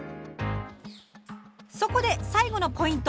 そこで最後のポイント。